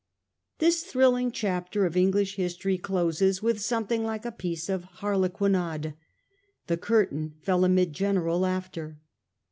This thrilling chapter of English history closes with something like a piece of harlequinade. The curtain fell amid general laughter.